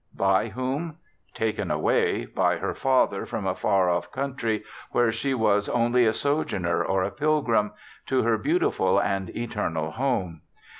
By whom ? Taken away— by her Father, from a far off country, where she was only a sojourner or a pilgrim— to her beautiful and eternal home.